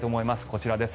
こちらです。